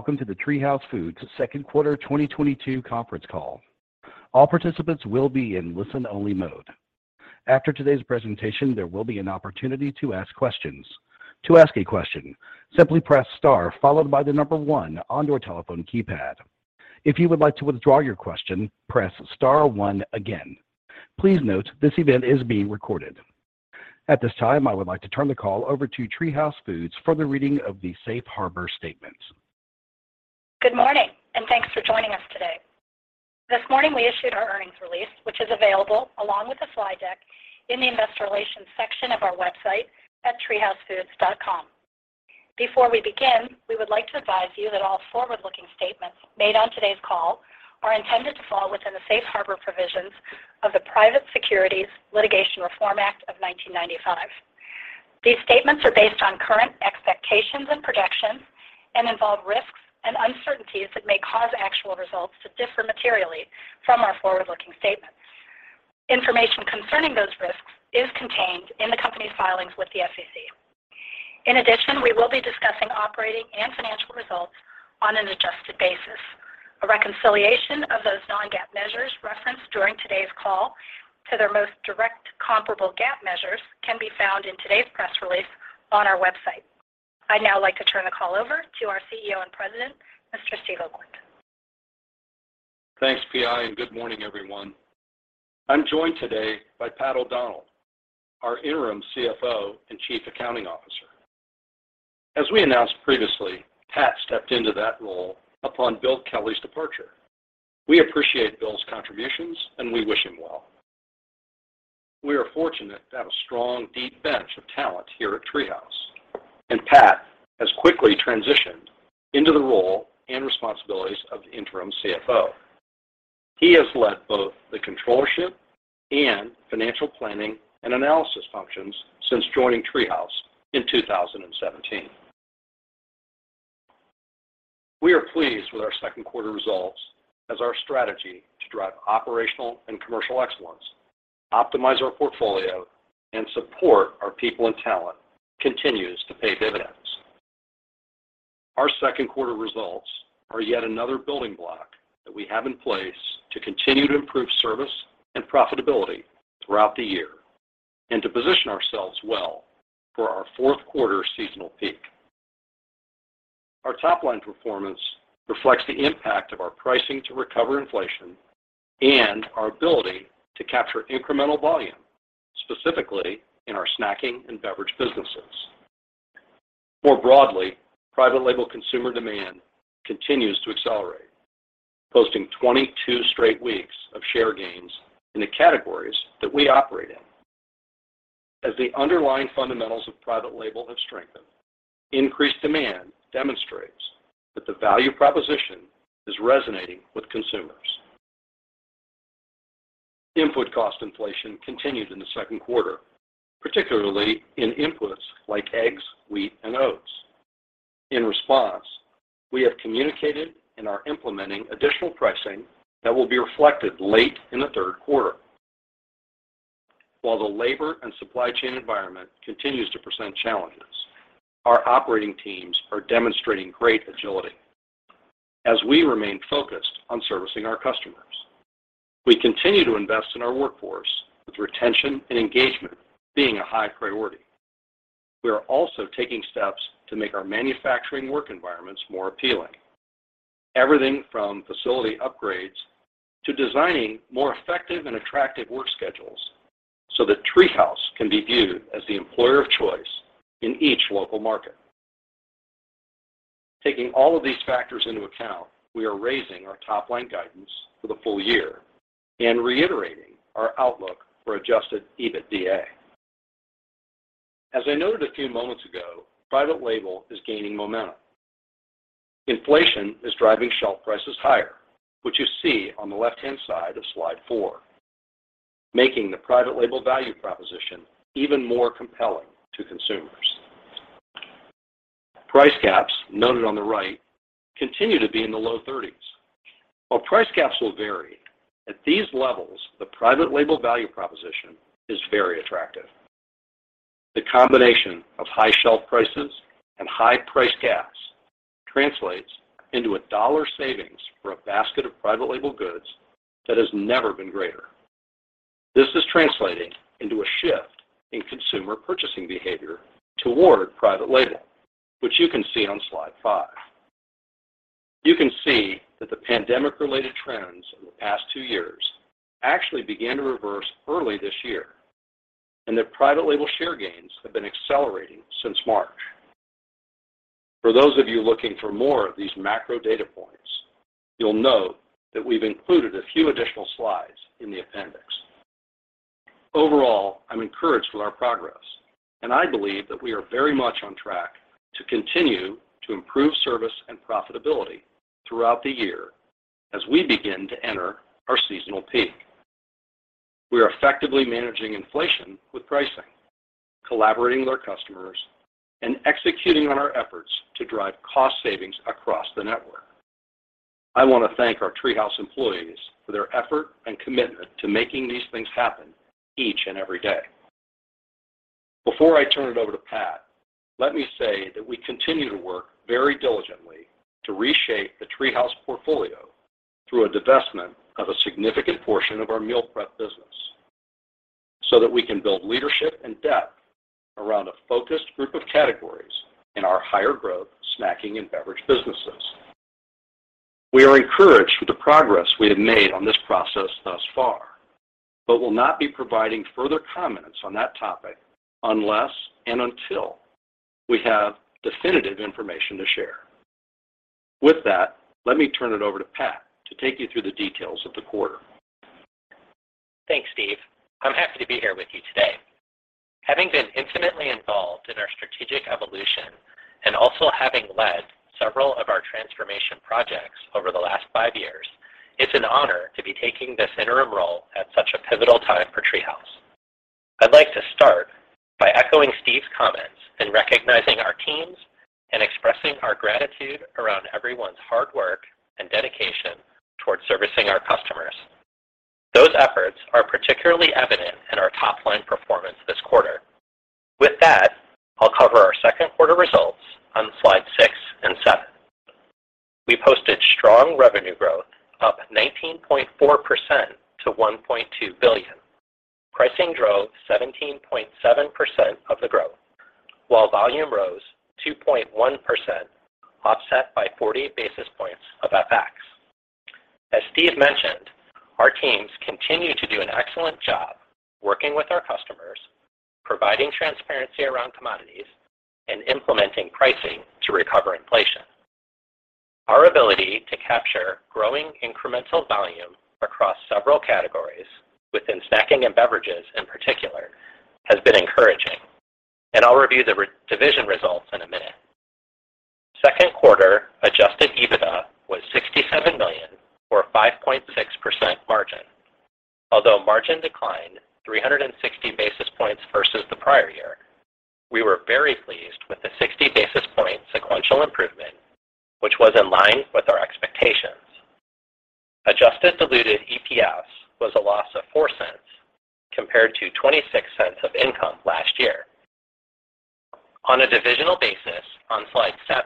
Welcome to the TreeHouse Foods Q2 2022 conference call. All participants will be in listen-only mode. After today's presentation, there will be an opportunity to ask questions. To ask a question, simply press star followed by the number one on your telephone keypad. If you would like to withdraw your question, press star one again. Please note, this event is being recorded. At this time, I would like to turn the call over to TreeHouse Foods for the reading of the safe harbor statement. Good morning, and thanks for joining us today. This morning we issued our earnings release, which is available along with the slide deck in the Investor Relations section of our website at treehousefoods.com. Before we begin, we would like to advise you that all forward-looking statements made on today's call are intended to fall within the safe harbor provisions of the Private Securities Litigation Reform Act of 1995. These statements are based on current expectations and projections and involve risks and uncertainties that may cause actual results to differ materially from our forward-looking statements. Information concerning those risks is contained in the company's filings with the SEC. In addition, we will be discussing operating and financial results on an adjusted basis. A reconciliation of those non-GAAP measures referenced during today's call to their most direct comparable GAAP measures can be found in today's press release on our website. I'd now like to turn the call over to our CEO and President, Mr. Steve Oakland. Thanks, PI, and good morning, everyone. I'm joined today by Pat O'Donnell, our interim CFO and Chief Accounting Officer. As we announced previously, Pat stepped into that role upon Bill Kelley's departure. We appreciate Bill's contributions, and we wish him well. We are fortunate to have a strong, deep bench of talent here at TreeHouse, and Pat has quickly transitioned into the role and responsibilities of the interim CFO. He has led both the controllership and financial planning and analysis functions since joining TreeHouse in 2017. We are pleased with our Q2 results as our strategy to drive operational and commercial excellence, optimize our portfolio, and support our people and talent continues to pay dividends. Our Q2 results are yet another building block that we have in place to continue to improve service and profitability throughout the year and to position ourselves well for our Q4 seasonal peak. Our top-line performance reflects the impact of our pricing to recover inflation and our ability to capture incremental volume, specifically in our Snacking and Beverages businesses. More broadly, private label consumer demand continues to accelerate, posting 22 straight weeks of share gains in the categories that we operate in. As the underlying fundamentals of private label have strengthened, increased demand demonstrates that the value proposition is resonating with consumers. Input cost inflation continued in the Q2, particularly in inputs like eggs, wheat, and oats. In response, we have communicated and are implementing additional pricing that will be reflected late in the Q3. While the labor and supply chain environment continues to present challenges, our operating teams are demonstrating great agility as we remain focused on servicing our customers. We continue to invest in our workforce with retention and engagement being a high priority. We are also taking steps to make our manufacturing work environments more appealing. Everything from facility upgrades to designing more effective and attractive work schedules so that TreeHouse can be viewed as the employer of choice in each local market. Taking all of these factors into account, we are raising our top-line guidance for the full year and reiterating our outlook for adjusted EBITDA. As I noted a few moments ago, private label is gaining momentum. Inflation is driving shelf prices higher, which you see on the left-hand side of slide four, making the private label value proposition even more compelling to consumers. Price caps, noted on the right, continue to be in the low thirties. While price caps will vary, at these levels, the private label value proposition is very attractive. The combination of high shelf prices and high price caps translates into a dollar savings for a basket of private label goods that has never been greater. This is translating into a shift in consumer purchasing behavior toward private label, which you can see on slide 5. You can see that the pandemic-related trends in the past two years actually began to reverse early this year, and that private label share gains have been accelerating since March. For those of you looking for more of these macro data points, you'll note that we've included a few additional slides in the appendix. Overall, I'm encouraged with our progress, and I believe that we are very much on track to continue to improve service and profitability throughout the year as we begin to enter our seasonal peak. We are effectively managing inflation with pricing, collaborating with our customers, and executing on our efforts to drive cost savings across the network. I want to thank our TreeHouse employees for their effort and commitment to making these things happen each and every day. Before I turn it over to Pat, let me say that we continue to work very diligently to reshape the TreeHouse portfolio through a divestment of a significant portion of our meal prep business so that we can build leadership and depth around a focused group of categories in our higher growth snacking and beverage businesses. We are encouraged with the progress we have made on this process thus far, but will not be providing further comments on that topic unless and until we have definitive information to share. With that, let me turn it over to Pat to take you through the details of the quarter. Thanks, Steve. I'm happy to be here with you today. Having been intimately involved in our strategic evolution and also having led several of our transformation projects over the last five years, it's an honor to be taking this interim role at such a pivotal time for TreeHouse. I'd like to start by echoing Steve's comments and recognizing our teams and expressing our gratitude around everyone's hard work and dedication towards servicing our customers. Those efforts are particularly evident in our top line performance this quarter. With that, I'll cover our Q2 results on slide 6 and 7. We posted strong revenue growth, up 19.4% to $1.2 billion. Pricing drove 17.7% of the growth while volume rose 2.1%, offset by 40 basis points of FX. As Steve mentioned, our teams continue to do an excellent job working with our customers, providing transparency around commodities and implementing pricing to recover inflation. Our ability to capture growing incremental volume across several categories within Snacking and Beverages in particular has been encouraging, and I'll review the division results in a minute. Q2 adjusted EBITDA was $67 million or 5.6% margin. Although margin declined 360 basis points versus the prior year, we were very pleased with the 60 basis point sequential improvement, which was in line with our expectations. Adjusted diluted EPS was a loss of $0.04 compared to $0.26 of income last year. On a divisional basis on Slide 7,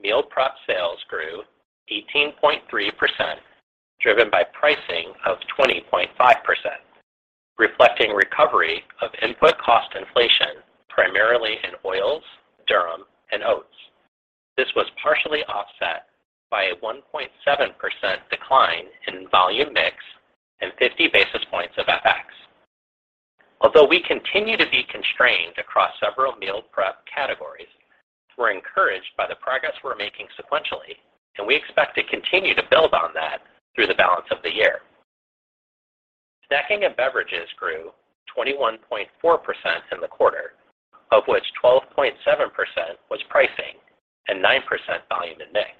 Meal Preparation sales grew 18.3%, driven by pricing of 20.5%, reflecting recovery of input cost inflation, primarily in oils, durum, and oats. This was partially offset by a 1.7% decline in volume mix and 50 basis points of FX. Although we continue to be constrained across several Meal Preparation categories, we're encouraged by the progress we're making sequentially, and we expect to continue to build on that through the balance of the year. Snacking and Beverages grew 21.4% in the quarter, of which 12.7% was pricing and 9% volume and mix.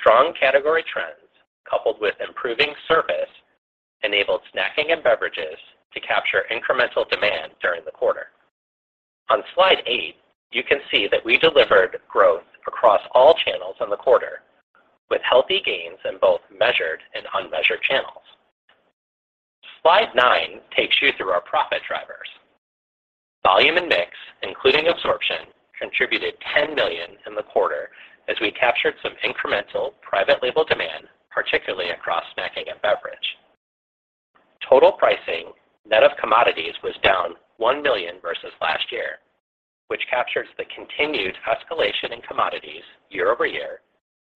Strong category trends, coupled with improving service, enabled Snacking and Beverages to capture incremental demand during the quarter. On Slide 8, you can see that we delivered growth across all channels in the quarter with healthy gains in both measured and unmeasured channels. Slide 9 takes you through our profit drivers. Volume and mix, including absorption, contributed $10 million in the quarter as we captured some incremental private label demand, particularly across Snacking and Beverages. Total pricing net of commodities was down $1 million versus last year, which captures the continued escalation in commodities year-over-year,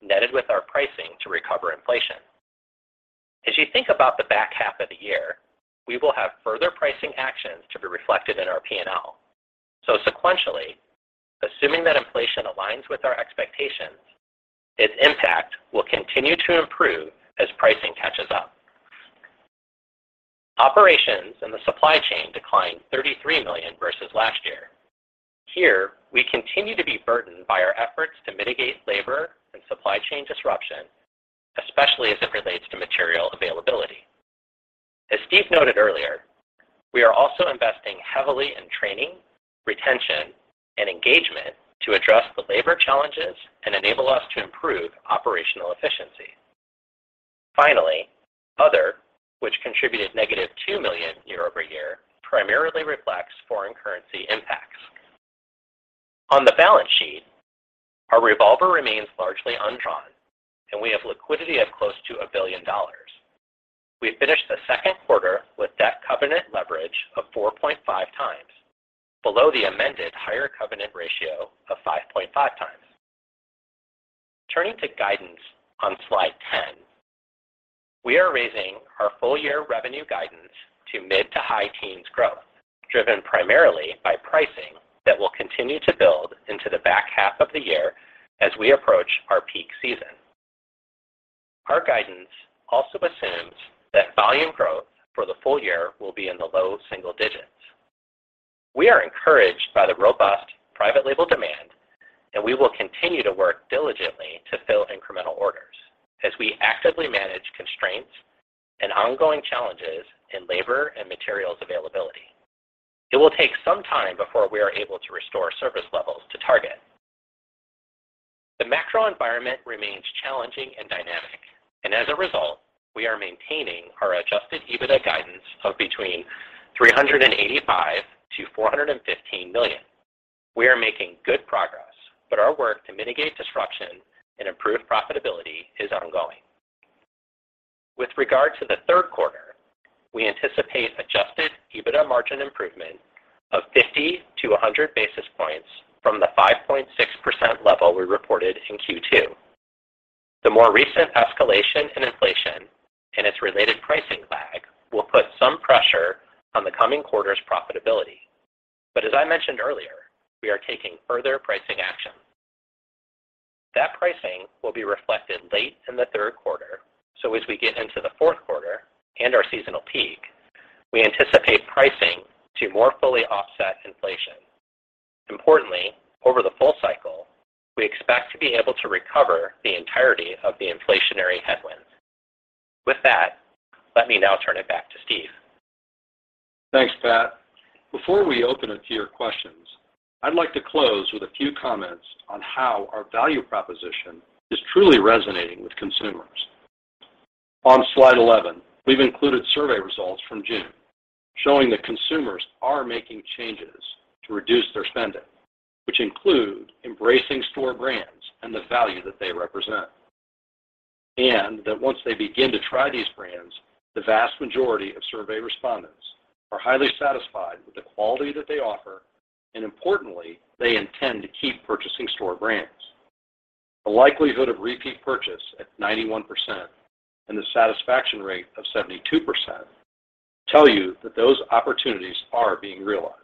netted with our pricing to recover inflation. As you think about the back half of the year, we will have further pricing actions to be reflected in our P&L. Sequentially, assuming that inflation aligns with our expectations, its impact will continue to improve as pricing catches up. Operations in the supply chain declined $33 million versus last year. Here, we continue to be burdened by our efforts to mitigate labor and supply chain disruption, especially as it relates to material availability. As Steve noted earlier, we are also investing heavily in training, retention, and engagement to address the labor challenges and enable us to improve operational efficiency. Finally, other, which contributed -$2 million year-over-year, primarily reflects foreign currency impacts. On the balance sheet, our revolver remains largely undrawn, and we have liquidity of close to $1 billion. We finished the Q2 with debt covenant leverage of 4.5 times, below the amended higher covenant ratio of 5.5 times. Turning to guidance on Slide 10, we are raising our full year revenue guidance to mid- to high-teens growth, driven primarily by pricing that will continue to build into the back half of the year as we approach our peak season. Our guidance also assumes that volume growth for the full year will be in the low single digits. We are encouraged by the robust private label demand, and we will continue to work diligently to fill incremental orders as we actively manage constraints and ongoing challenges in labor and materials availability. It will take some time before we are able to restore service levels to target. The macro environment remains challenging and dynamic. As a result, we are maintaining our adjusted EBITDA guidance of between $385 million and $415 million. We are making good progress, but our work to mitigate disruption and improve profitability is ongoing. With regard to the Q3, we anticipate adjusted EBITDA margin improvement of 50-100 basis points from the 5.6% level we reported in Q2. The more recent escalation in inflation and its related pricing lag will put some pressure on the coming quarter's profitability. As I mentioned earlier, we are taking further pricing action. That pricing will be reflected late in the Q3, so as we get into the Q4 and our seasonal peak, we anticipate pricing to more fully offset inflation. Importantly, over the full cycle, we expect to be able to recover the entirety of the inflationary headwind. With that, let me now turn it back to Steve. Thanks, Pat. Before we open it to your questions, I'd like to close with a few comments on how our value proposition is truly resonating with consumers. On slide 11, we've included survey results from June showing that consumers are making changes to reduce their spending, which include embracing store brands and the value that they represent. That once they begin to try these brands, the vast majority of survey respondents are highly satisfied with the quality that they offer, and importantly, they intend to keep purchasing store brands. The likelihood of repeat purchase at 91% and the satisfaction rate of 72% tell you that those opportunities are being realized.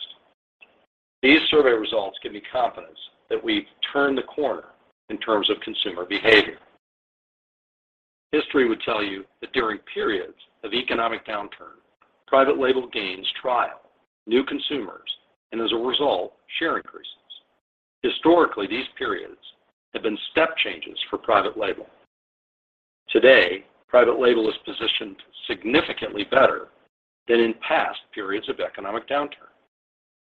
These survey results give me confidence that we've turned the corner in terms of consumer behavior. History would tell you that during periods of economic downturn, private label gains trial, new consumers, and as a result, share increases. Historically, these periods have been step changes for private label. Today, private label is positioned significantly better than in past periods of economic downturn.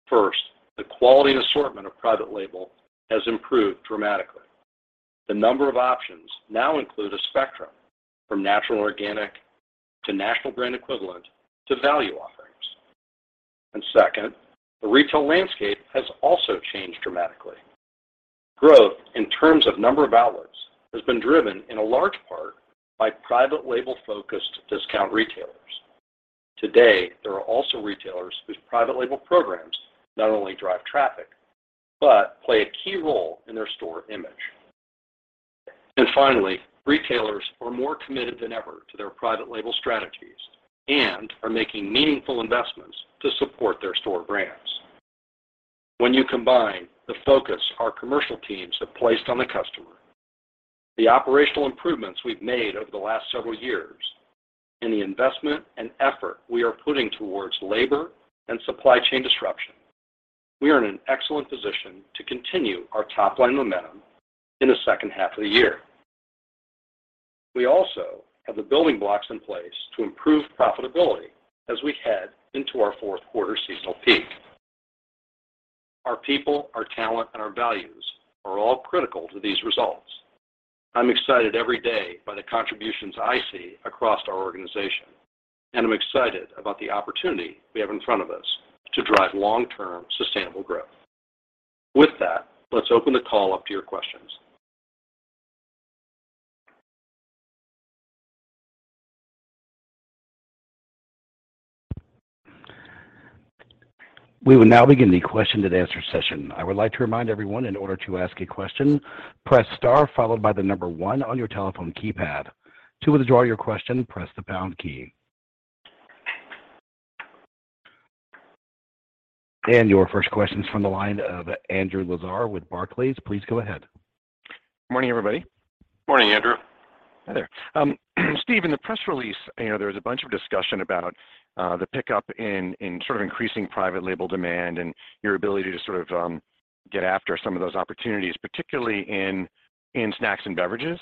First, the quality and assortment of private label has improved dramatically. The number of options now include a spectrum from natural organic to national brand equivalent to value offerings. Second, the retail landscape has also changed dramatically. Growth in terms of number of outlets has been driven in a large part by private label focused discount retailers. Today, there are also retailers whose private label programs not only drive traffic, but play a key role in their store image. Finally, retailers are more committed than ever to their private label strategies and are making meaningful investments to support their store brands. When you combine the focus our commercial teams have placed on the customer, the operational improvements we've made over the last several years, and the investment and effort we are putting towards labor and supply chain disruption, we are in an excellent position to continue our top-line momentum in the second half of the year. We also have the building blocks in place to improve profitability as we head into our Q4 seasonal peak. Our people, our talent, and our values are all critical to these results. I'm excited every day by the contributions I see across our organization, and I'm excited about the opportunity we have in front of us to drive long-term sustainable growth. With that, let's open the call up to your questions. We will now begin the question and answer session. I would like to remind everyone in order to ask a question, press star followed by the number 1 on your telephone keypad. To withdraw your question, press the pound key. Your first question is from the line of Andrew Lazar with Barclays. Please go ahead. Morning, everybody. Morning, Andrew. Hi there. Steve, in the press release, you know, there was a bunch of discussion about the pickup in sort of increasing private label demand and your ability to sort of get after some of those opportunities, particularly in Snacking and Beverages.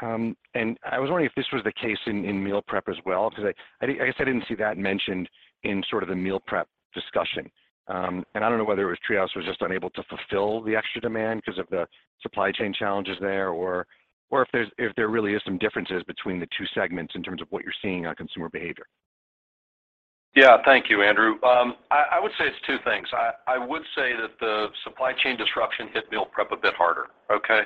I was wondering if this was the case in Meal Preparation as well, 'cause I guess I didn't see that mentioned in sort of the Meal Preparation discussion. I don't know whether TreeHouse was just unable to fulfill the extra demand 'cause of the supply chain challenges there or if there really is some differences between the two segments in terms of what you're seeing on consumer behavior. Yeah. Thank you, Andrew. I would say it's two things. I would say that the supply chain disruption hit Meal Preparation a bit harder, okay?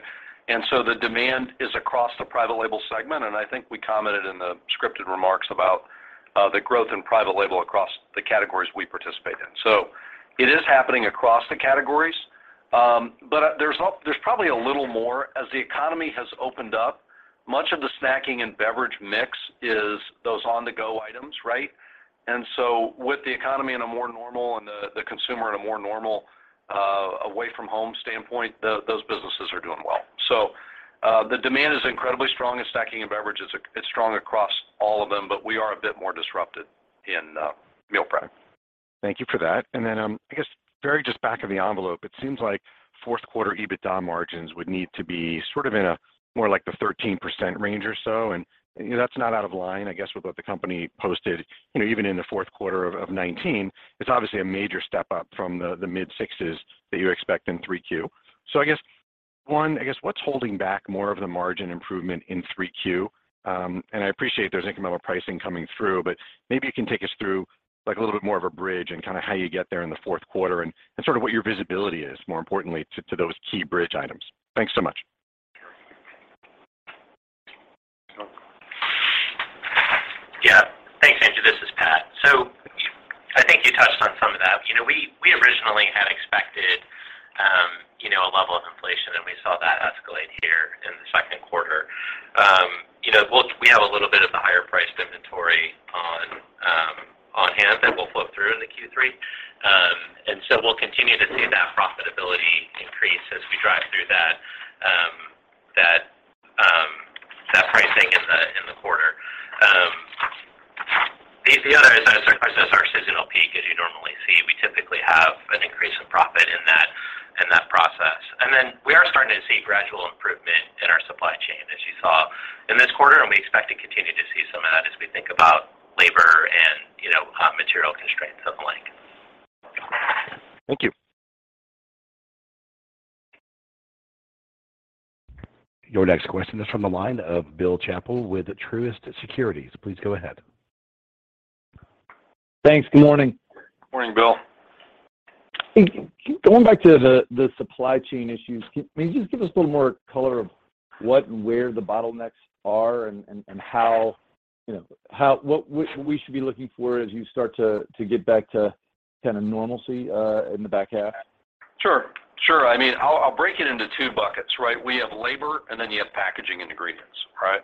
The demand is across the private label segment, and I think we commented in the scripted remarks about the growth in private label across the categories we participate in. It is happening across the categories. There's probably a little more. As the economy has opened up, much of the Snacking and Beverages mix is those on-the-go items, right? With the economy in a more normal and the consumer in a more normal away from home standpoint, those businesses are doing well. The demand is incredibly strong in Snacking and Beverages. It's strong across all of them, but we are a bit more disrupted in Meal Preparation. Thank you for that. Then, I guess very just back of the envelope, it seems like Q4 EBITDA margins would need to be sort of in a more like the 13% range or so. You know, that's not out of line, I guess, with what the company posted, you know, even in the Q4 of 2019. It's obviously a major step up from the mid-sixes that you expect in Q3. I guess what's holding back more of the margin improvement in Q3, and I appreciate there's incremental pricing coming through, but maybe you can take us through, like, a little bit more of a bridge and kind of how you get there in the Q4 and sort of what your visibility is, more importantly, to those key bridge items. Thanks so much. Yeah. Thanks, Andrew. This is Pat O'Donnell. I think you touched on some of that. You know, we originally had expected a level of inflation, and we saw that escalate here in the Q2. You know, we have a little bit of the higher priced inventory on hand that will flow through into Q3. We'll continue to see that profitability increase as we drive through that pricing in the quarter. The other is, of course, our seasonal peak as you normally see. We typically have an increase in profit in that process. We are starting to see gradual improvement in our supply chain as you saw in this quarter, and we expect to continue to see some of that as we think about labor and, you know, material constraints and the like. Thank you. Your next question is from the line of Bill Chappell with Truist Securities. Please go ahead. Thanks. Good morning. Morning, Bill. Going back to the supply chain issues, can you just give us a little more color on what and where the bottlenecks are and how, you know, what we should be looking for as you start to get back to kind of normalcy in the back half? Sure. I mean, I'll break it into two buckets, right? We have labor, and then you have packaging and ingredients, right?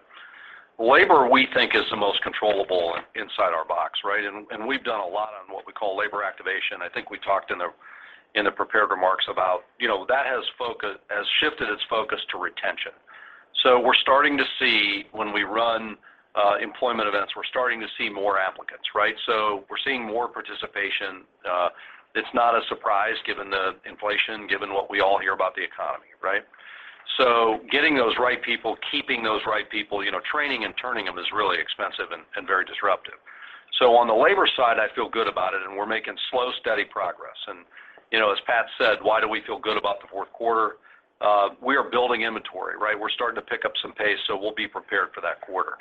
Labor, we think is the most controllable inside our box, right? We've done a lot on what we call labor activation. I think we talked in the prepared remarks about, you know, that has shifted its focus to retention. We're starting to see when we run employment events, we're starting to see more applicants, right? We're seeing more participation. It's not a surprise given the inflation, given what we all hear about the economy, right? Getting those right people, keeping those right people, you know, training and turning them is really expensive and very disruptive. On the labor side, I feel good about it, and we're making slow, steady progress. You know, as Pat said, why do we feel good about the Q4? We are building inventory, right? We're starting to pick up some pace, so we'll be prepared for that quarter.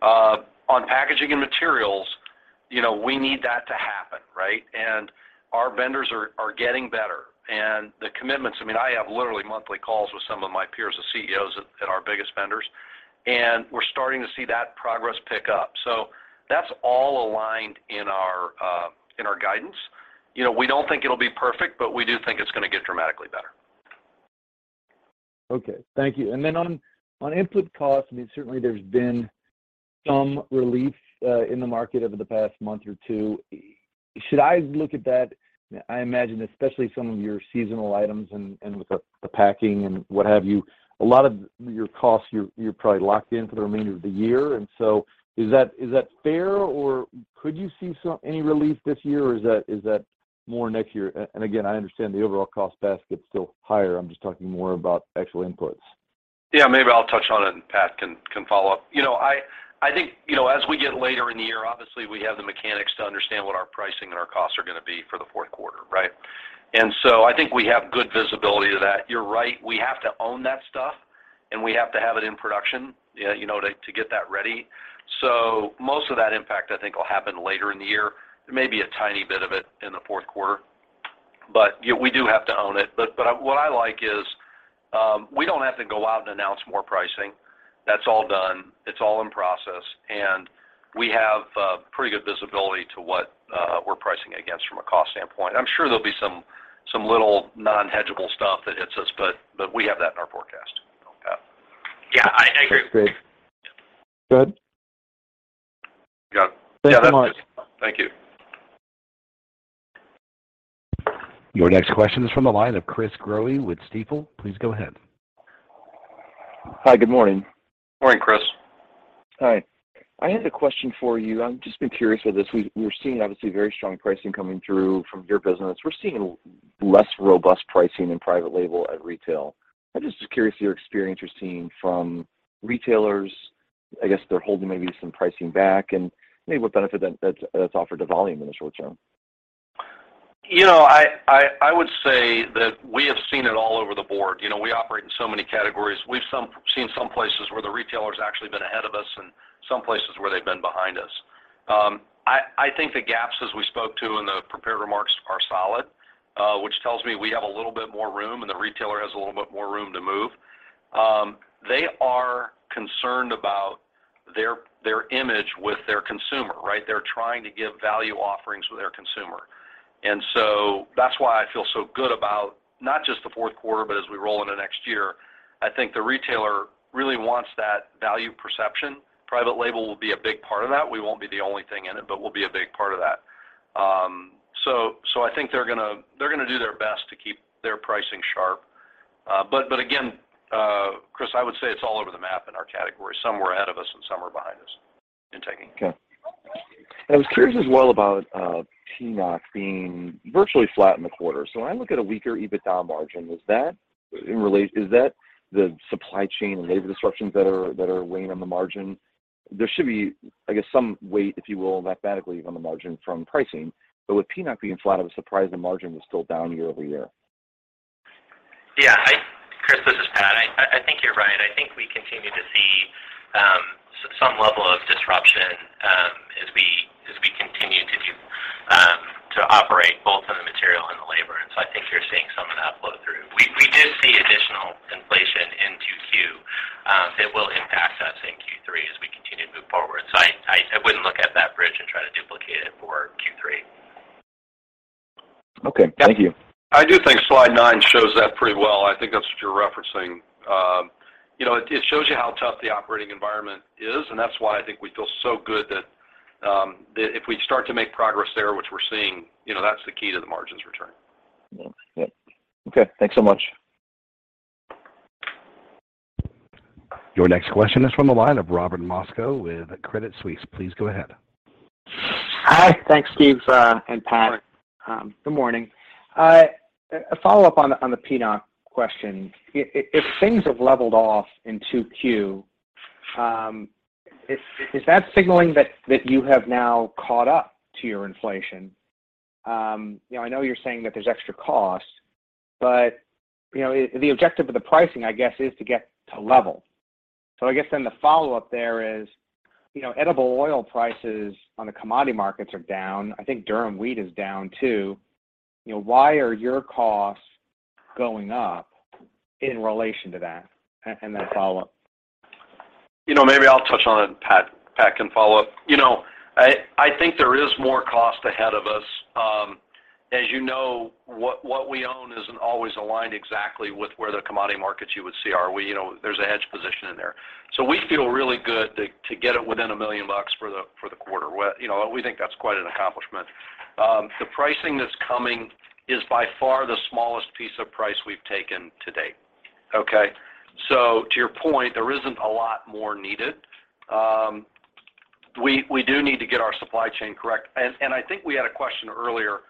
On Packaging and Materials, you know, we need that to happen, right? Our vendors are getting better. The commitments, I mean, I have literally monthly calls with some of my peers and CEOs at our biggest vendors, and we're starting to see that progress pick up. That's all aligned in our guidance. You know, we don't think it'll be perfect, but we do think it's gonna get dramatically better. Okay. Thank you. On input costs, I mean, certainly there's been some relief in the market over the past month or two. Should I look at that? I imagine, especially some of your seasonal items and with the packing and what have you. A lot of your costs, you're probably locked in for the remainder of the year. Is that fair, or could you see any relief this year, or is that more next year? Again, I understand the overall cost basket is still higher. I'm just talking more about actual inputs. Yeah, maybe I'll touch on it, and Pat can follow up. You know, I think, you know, as we get later in the year, obviously, we have the mechanics to understand what our pricing and our costs are gonna be for the Q4, right? I think we have good visibility to that. You're right, we have to own that stuff, and we have to have it in production, you know, to get that ready. Most of that impact, I think, will happen later in the year. There may be a tiny bit of it in the Q4. We do have to own it. What I like is, we don't have to go out and announce more pricing. That's all done. It's all in process. We have pretty good visibility to what we're pricing against from a cost standpoint. I'm sure there'll be some little non-hedgeable stuff that hits us, but we have that in our forecast. Pat. Yeah, I agree. That's great. Good. Got it. Thank you much. Thank you. Your next question is from the line of Chris Growe with Stifel. Please go ahead. Hi, good morning. Morning, Chris. Hi. I had a question for you. I've just been curious with this. We're seeing obviously very strong pricing coming through from your business. We're seeing less robust pricing in private label at retail. I'm just curious your experience you're seeing from retailers. I guess they're holding maybe some pricing back and maybe what benefit that's offered to volume in the short term. You know, I would say that we have seen it all over the board. You know, we operate in so many categories. We've seen some places where the retailer's actually been ahead of us and some places where they've been behind us. I think the gaps, as we spoke to in the prepared remarks, are solid, which tells me we have a little bit more room and the retailer has a little bit more room to move. They are concerned about their image with their consumer, right? They're trying to give value offerings with their consumer. That's why I feel so good about not just the Q4, but as we roll into next year. I think the retailer really wants that value perception. Private label will be a big part of that. We won't be the only thing in it, but we'll be a big part of that. I think they're gonna do their best to keep their pricing sharp. Again, Chris, I would say it's all over the map in our category. Some were ahead of us and some are behind us in taking. Okay. I was curious as well about PNOC being virtually flat in the quarter. When I look at a weaker EBITDA margin, is that the supply chain and labor disruptions that are weighing on the margin? There should be, I guess, some weight, if you will, mathematically on the margin from pricing. With PNOC being flat, I was surprised the margin was still down year-over-year. Yeah. Chris, this is Pat. I think you're right. I think we continue to see some level of disruption as we continue to operate both on the material and the labor. I think you're seeing some of that flow through. We did see additional inflation in 2Q that will impact us in Q3 as we continue to move forward. I wouldn't look at that bridge and try to duplicate it for Q3. Okay. Thank you. I do think slide nine shows that pretty well. I think that's what you're referencing. You know, it shows you how tough the operating environment is, and that's why I think we feel so good that if we start to make progress there, which we're seeing, you know, that's the key to the margins returning. Yeah. Yep. Okay. Thanks so much. Your next question is from the line of Robert Moskow with Credit Suisse. Please go ahead. Hi. Thanks, Steve, and Pat. Good morning. A follow-up on the PNOC question. If things have leveled off in 2Q, is that signaling that you have now caught up to your inflation? You know, I know you're saying that there's extra costs, but you know, the objective of the pricing, I guess, is to get to level. I guess then the follow-up there is, you know, edible oil prices on the commodity markets are down. I think durum wheat is down, too. You know, why are your costs going up in relation to that? Then follow up. You know, maybe I'll touch on it, and Pat can follow up. You know, I think there is more cost ahead of us. As you know, what we own isn't always aligned exactly with where the commodity markets you would see are. You know, there's a hedge position in there. We feel really good to get it within $1 million for the quarter. We think that's quite an accomplishment. The pricing that's coming is by far the smallest piece of price we've taken to date, okay? To your point, there isn't a lot more needed. We do need to get our supply chain correct. I think we had a question earlier.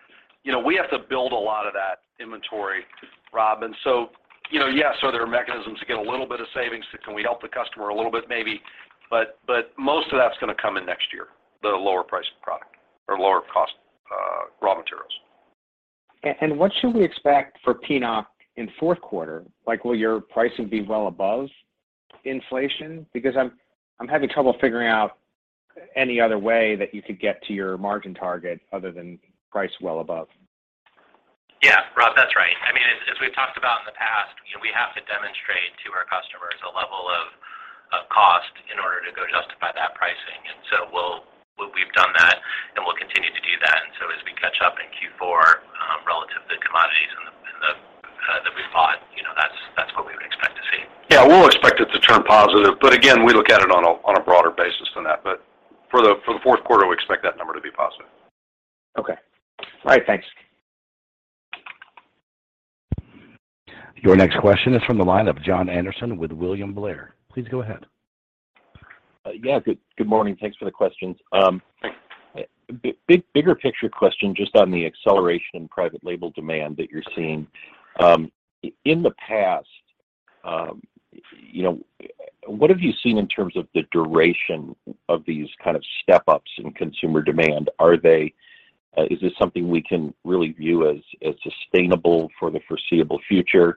You know, we have to build a lot of that inventory, Rob. You know, yes, are there mechanisms to get a little bit of savings? Can we help the customer a little bit? Maybe. But most of that's gonna come in next year, the lower price of product or lower cost, raw materials. What should we expect for PNOC in Q4? Like, will your pricing be well above inflation? Because I'm having trouble figuring out any other way that you could get to your margin target other than price well above. Yeah. Rob, that's right. I mean, as we've talked about in the past, you know, we have to demonstrate to our customers a level of cost in order to justify that pricing. We've done that, and we'll continue to do that. As we catch up in Q4, relative to the commodities that we bought, you know, that's what we would expect to see. Yeah. We'll expect it to turn positive. Again, we look at it on a broader basis than that. For the Q4, we expect that number to be positive. Okay. All right. Thanks. Your next question is from the line of Jon Andersen with William Blair. Please go ahead. Yeah. Good morning. Thanks for the questions. Thanks. Bigger picture question just on the acceleration in private label demand that you're seeing. In the past, you know, what have you seen in terms of the duration of these kind of step-ups in consumer demand? Is this something we can really view as sustainable for the foreseeable future?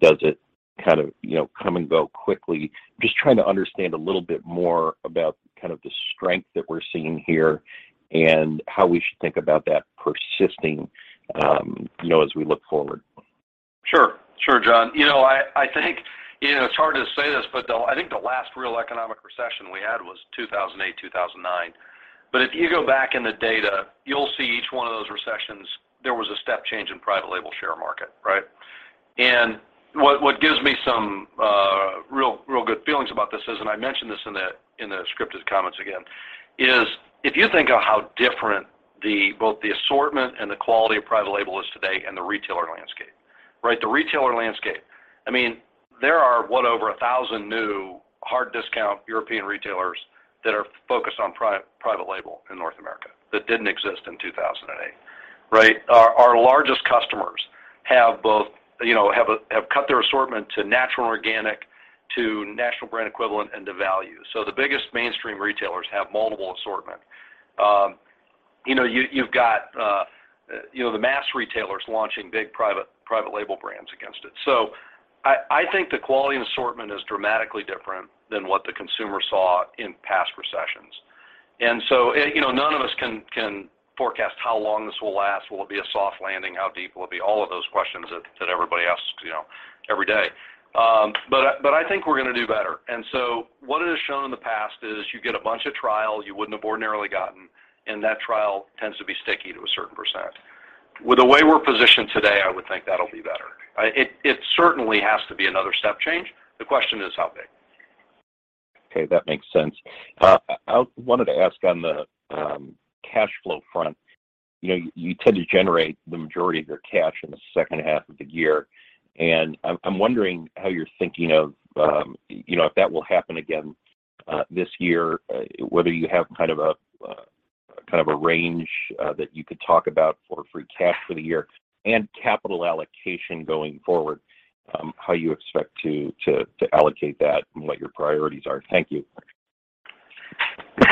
Does it kind of, you know, come and go quickly? Just trying to understand a little bit more about kind of the strength that we're seeing here and how we should think about that persisting, you know, as we look forward. Sure. Sure, John. You know, I think, you know, it's hard to say this, but I think the last real economic recession we had was 2008, 2009. If you go back in the data, you'll see each one of those recessions, there was a step change in private label share market, right? What gives me some real good feelings about this is, I mentioned this in the scripted comments again, if you think of how different both the assortment and the quality of private label is today and the retailer landscape. Right? The retailer landscape, I mean, there are what? Over 1,000 new hard discount European retailers that are focused on private label in North America that didn't exist in 2008, right? Our largest customers have both, you know, have cut their assortment to natural and organic, to national brand equivalent, and to value. The biggest mainstream retailers have multiple assortment. You know, you've got, you know, the mass retailers launching big private label brands against it. I think the quality and assortment is dramatically different than what the consumer saw in past recessions. None of us can forecast how long this will last. Will it be a soft landing? How deep will it be? All of those questions that everybody asks, you know, every day. I think we're gonna do better. What it has shown in the past is you get a bunch of trials you wouldn't have ordinarily gotten, and that trial tends to be sticky to a certain percent. With the way we're positioned today, I would think that'll be better. It certainly has to be another step change. The question is how big. Okay, that makes sense. I wanted to ask on the cash flow front. You know, you tend to generate the majority of your cash in the second half of the year, and I'm wondering how you're thinking of, you know, if that will happen again this year, whether you have kind of a kind of a range that you could talk about for free cash for the year and capital allocation going forward, how you expect to allocate that and what your priorities are. Thank you.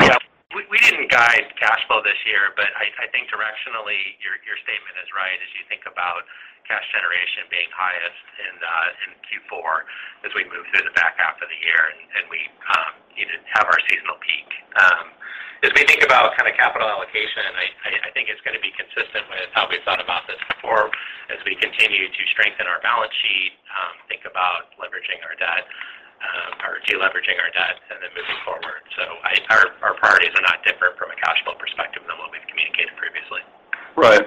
Yeah. We didn't guide cash flow this year, but I think directionally, your statement is right as you think about cash generation being highest in Q4 as we move through the back half of the year and we, you know, have our seasonal peak. As we think about kind of capital allocation, I think it's gonna be consistent with how we've thought about this before as we continue to strengthen our balance sheet, think about leveraging our debt, or de-leveraging our debt and then moving forward. Our priorities are not different from a cash flow perspective than what we've communicated previously. Right.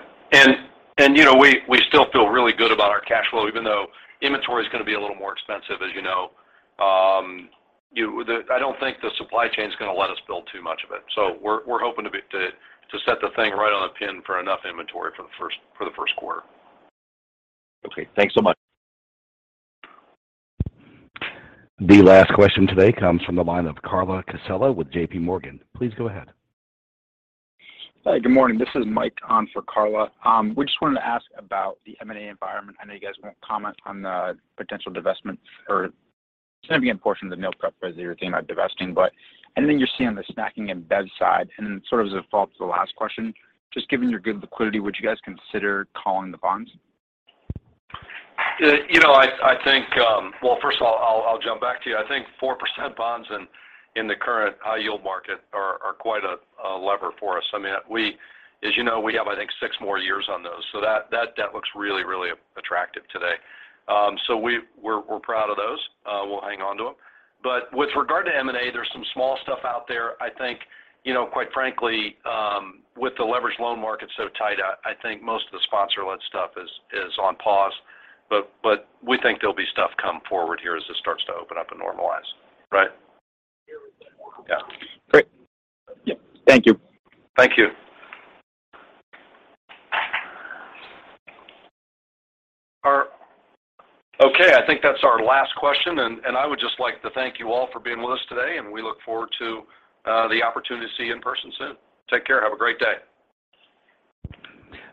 You know, we still feel really good about our cash flow, even though inventory is gonna be a little more expensive, as you know. I don't think the supply chain is gonna let us build too much of it. We're hoping to set the thing right on a dime for enough inventory for the Q1. Okay. Thanks so much. The last question today comes from the line of Carla Casella with J.P. Morgan. Please go ahead. Hi. Good morning. This is Mike on for Carla. We just wanted to ask about the M&A environment. I know you guys won't comment on the potential divestments or significant portion of the Meal Preparation, whether you're thinking about divesting. Anything you're seeing on the Snacking and Beverages side, and sort of as a follow-up to the last question, just given your good liquidity, would you guys consider calling the bonds? You know, I think... Well, first of all, I'll jump back to you. I think 4% bonds in the current high yield market are quite a lever for us. I mean, we, as you know, we have, I think, six more years on those. So that debt looks really attractive today. So we're proud of those. We'll hang on to them. But with regard to M&A, there's some small stuff out there. I think, you know, quite frankly, with the leveraged loan market so tight, I think most of the sponsor-led stuff is on pause. But we think there'll be stuff come forward here as it starts to open up and normalize. Right? Yeah. Great. Yeah. Thank you. Thank you. Okay, I think that's our last question, and I would just like to thank you all for being with us today, and we look forward to the opportunity to see you in person soon. Take care. Have a great day.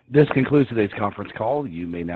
This concludes today's conference call. You may now disconnect.